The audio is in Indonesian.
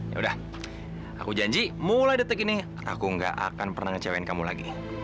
yaudah aku janji mulai detik ini aku gak akan pernah ngecewain kamu lagi oke